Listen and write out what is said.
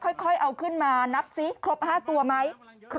ค่อยเอาขึ้นมานับซิครบ๕ตัวไหม